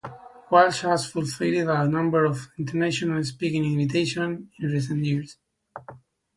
Walsh has fulfilled a number of international speaking invitations in recent years.